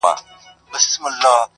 ستا شاعرۍ ته سلامي كومه.